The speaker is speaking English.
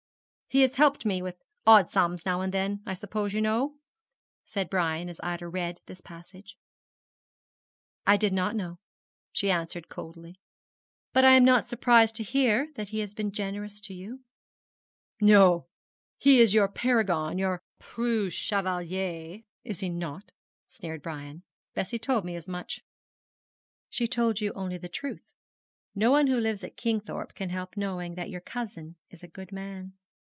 'He has helped me with odd sums now and then, I suppose you know?' said Brian, as Ida read this passage. 'I did not know,' she answered coldly; 'but I am not surprised to hear that he has been generous to you.' 'No, he is your paragon your preux chevalier is he not?' sneered Brian. 'Bessie told me as much.' 'She told you only the truth. No one who lives at Kingthorpe can help knowing that your cousin is a good man.'